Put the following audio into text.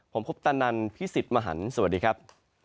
ผมพบตันนันพิสิทธิ์มหันฯสวัสดีครับ